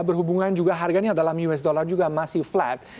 berhubungan juga harganya dalam us dollar juga masih flat